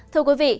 thưa quý vị